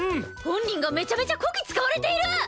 本人がめちゃめちゃこき使われている！